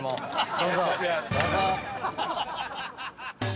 どうぞ。